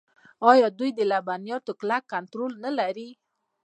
آیا دوی د لبنیاتو کلک کنټرول نلري؟